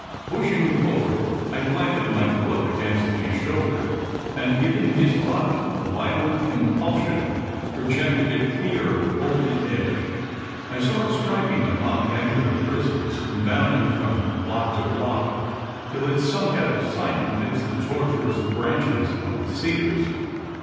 Bushing forward, I planted my foot against his shoulder, and giving his body a violent impulsion, projected it clear over the edge. I saw it striking upon the angular prisms, and bounding from block to block till it sunk out of sight amidst the tortuous branches of the cedars.